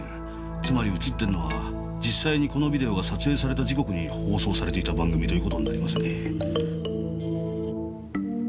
つまり映ってるのは実際にこのビデオが撮影された時刻に放送されていた番組という事になりますね。